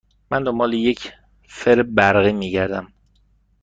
من دنبال یک فر برقی می گردم.